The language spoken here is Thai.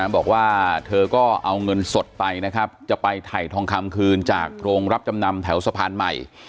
บอกว่าเธอก็เอาเงินสดไปนะครับจะไปถ่ายทองคำคืนจากโรงรับจำนำแถวสะพานใหม่